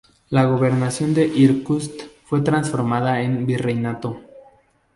La gobernación de Irkutsk fue transformada en virreinato.